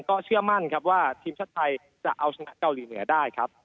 ก็เชื่อมั่นครับว่าทีมชาติไทยจะเอาชนะเกาหลีเหนือได้ครับ